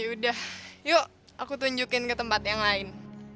yaudah yuk aku tunjukin ke tempat yang lain